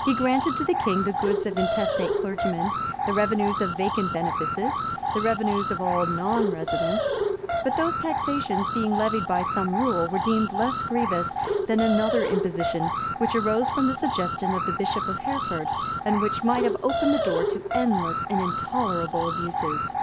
He granted to the king the goods of intestate clergymen; the revenues of vacant benefices, the revenues of all non residents.[] But these taxations, being levied by some rule, were deemed less grievous than another imposition, which arose from the suggestion of the bishop of Hereford, and which might have opened the door to endless and intolerable abuses.